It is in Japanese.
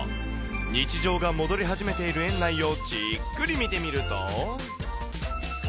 日常が戻り始めている園内をじっくり見てみると。